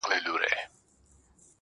اوس پير شرميږي د ملا تر سترگو بـد ايـسو